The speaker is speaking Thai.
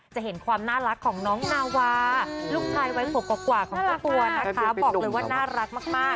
จะเห็นความน่ารักของน้องนาวาลูกชายวัยขวบกว่าของเจ้าตัวนะคะบอกเลยว่าน่ารักมาก